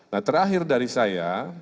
nah terakhir dari saya